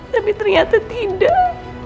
tapi ternyata tidak